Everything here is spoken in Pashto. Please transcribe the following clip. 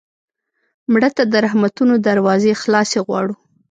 مړه ته د رحمتونو دروازې خلاصې غواړو